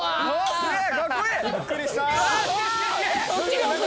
「すげえ！」